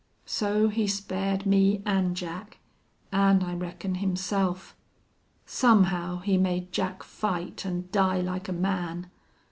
So he spared me an' Jack, an' I reckon himself. Somehow he made Jack fight an' die like a man.